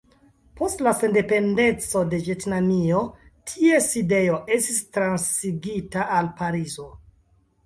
Post la sendependeco de Vjetnamio, ties sidejo estis transigita al Parizo.